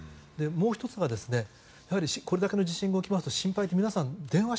もう１つはこれぐらいの地震が起きますと心配で皆さん